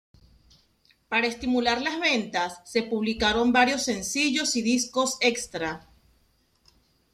Para estimular las ventas se publicaron varios sencillos y discos extra.